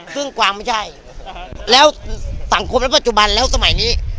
กวางไม่ใช่แล้วสังคมและปัจจุบันแล้วสมัยนี้